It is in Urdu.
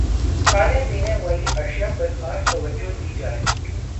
کھانے پینے والی اشیا پرخاص توجہ دی جائے